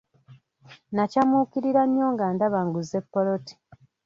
Nakyamuukirira nnyo nga ndaba nguze ppoloti.